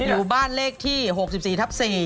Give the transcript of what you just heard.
อยู่บ้านเลขที่๖๔ทับ๔